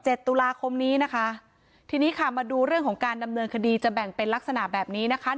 ตุลาคมนี้นะคะทีนี้ค่ะมาดูเรื่องของการดำเนินคดีจะแบ่งเป็นลักษณะแบบนี้นะคะ